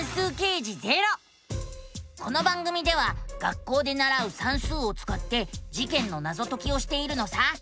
この番組では学校でならう「算数」をつかって事件のナゾ解きをしているのさ。